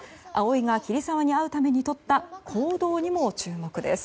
葵が桐沢に会うためにとった行動にも注目です。